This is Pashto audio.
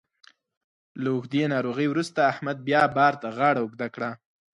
له اوږدې ناروغۍ وروسته احمد بیا بار ته غاړه اوږده کړه.